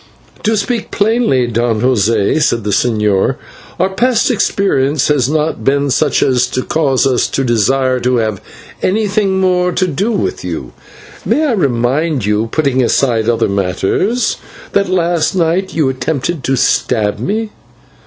"To speak plainly, Don José," said the señor, "our past experience has not been such as to cause us to desire to have anything more to do with you. May I remind you, putting aside other matters, that last night you attempted to stab me?"